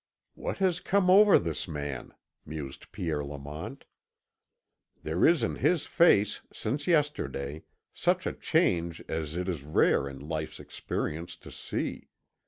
"What has come over this man?" mused Pierre Lamont. "There is in his face, since yesterday, such a change as it is rare in life's experience to see.